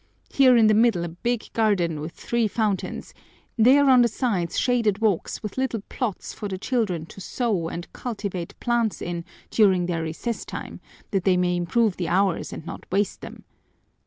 Here in the middle a big garden with three fountains, there on the sides shaded walks with little plots for the children to sow and cultivate plants in during their recess time, that they may improve the hours and not waste them.